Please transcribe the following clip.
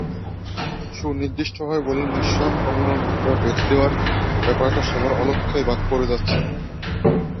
সুনির্দিষ্টভাবে বললে, নিঃসরণ কমানোর মাত্রা বেঁধে দেওয়ার ব্যাপারটা সবার অলক্ষ্যেই বাদ পড়ে যাচ্ছে।